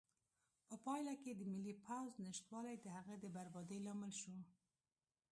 په پایله کې د ملي پوځ نشتوالی د هغه د بربادۍ لامل شو.